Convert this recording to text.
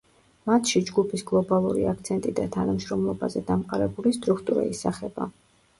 მათში ჯგუფის გლობალური აქცენტი და თანამშრომლობაზე დამყარებული სტრუქტურა ისახება.